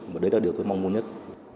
và đấy là điều tôi mong muốn nhất